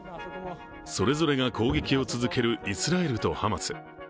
それぞれが攻撃を続けるイスラエルとハマス。